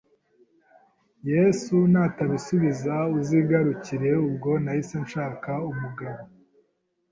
Ysu natabisubiza uzigarukire, ubwo nahise nshaka umugabo